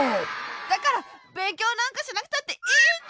だからべんきょうなんかしなくたっていいんだ！